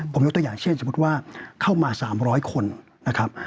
ผมยกตัวอย่างเช่นสมมุติว่าเข้ามา๓๐๐คนนะครับ